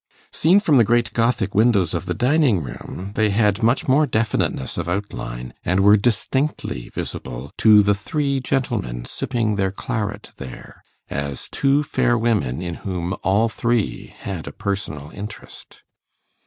Seen from the great Gothic windows of the dining room, they had much more definiteness of outline, and were distinctly visible to the three gentlemen sipping their claret there, as two fair women in whom all three had a personal interest.